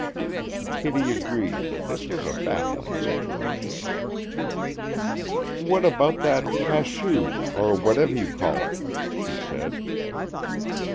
Kitty agreed that this was a baffling situation. "What about that cachou, or whatever you call it?" she said.